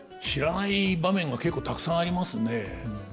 知らない場面が結構たくさんありますね。